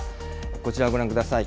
こちらご覧ください。